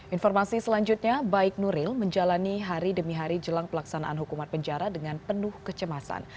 informasi selanjutnya baik nuril menjalani hari demi hari jelang pelaksanaan hukuman penjara dengan penuh kecemasan